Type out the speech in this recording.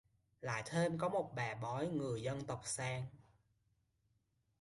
Lại thêm có một bà bói người dân tộc sang